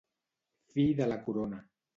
Fi de la corona.